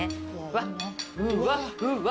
わっふわふわ。